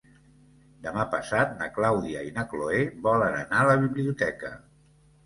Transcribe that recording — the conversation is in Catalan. Demà passat na Clàudia i na Cloè volen anar a la biblioteca.